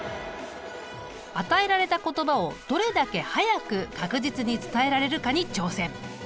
与えられた言葉をどれだけ早く確実に伝えられるかに挑戦。